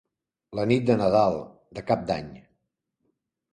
La nit de Nadal, de Cap d'Any.